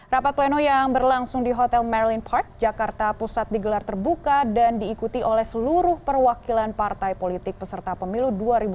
rapat pleno yang berlangsung di hotel marin park jakarta pusat digelar terbuka dan diikuti oleh seluruh perwakilan partai politik peserta pemilu dua ribu dua puluh